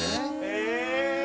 え？